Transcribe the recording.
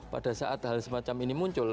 pada saat hal semacam ini muncul